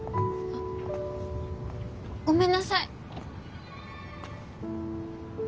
あごめんなさい。